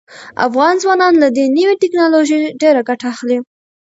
افغان ځوانان له دې نوې ټیکنالوژۍ ډیره ګټه اخلي.